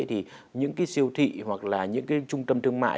thì những siêu thị hoặc là những trung tâm thương mại